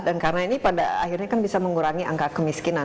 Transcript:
dan karena ini pada akhirnya kan bisa mengurangi angka kemiskinan